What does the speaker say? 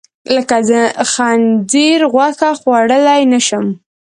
لکه د خنځیر غوښه، خوړلی نه شم.